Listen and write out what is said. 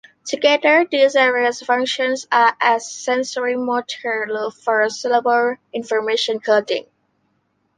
Together, these areas function as a sensory-motor loop for syllable information coding.